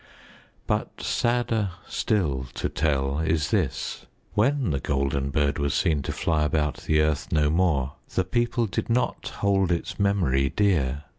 But sadder still to tell is this: When The Golden Bird was seen to fly about the earth no more, the people did not hold its memory dear.